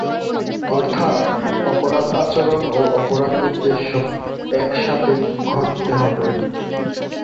অর্থাৎ অপরাধ আচরণ ও অপরাধ উদ্দেশ্য একসাথে ঘটতে হবে।